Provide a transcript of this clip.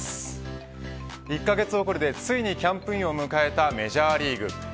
１カ月遅れでついにキャンプインを迎えたメジャーリーグ。